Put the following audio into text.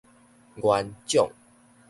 元掌